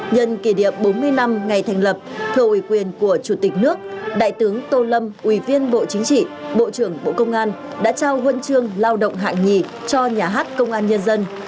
nhân kỷ niệm bốn mươi năm ngày thành lập thờ ủy quyền của chủ tịch nước đại tướng tô lâm ủy viên bộ chính trị bộ trưởng bộ công an đã trao huân chương lao động hạng nhì cho nhà hát công an nhân dân